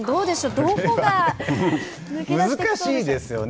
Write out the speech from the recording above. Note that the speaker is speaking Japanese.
どこが難しいですよね。